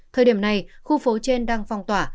thời điểm này khu phố trên đang phong tỏa